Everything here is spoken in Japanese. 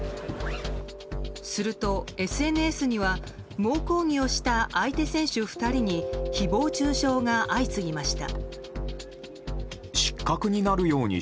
すると、ＳＮＳには猛抗議をした相手選手２人に誹謗中傷が相次ぎました。